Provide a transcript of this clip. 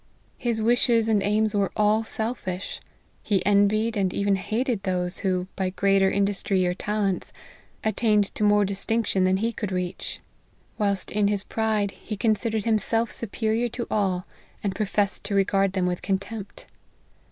His wishes and aims were all selfish ; he envied and even hated those who, by greater industry or talents, attained to more distinction than he could reach, LIFE OF HENRY MARTYN. 9 whilst, in his pride, he considered himself superior to all, and professed to regard them with contempt.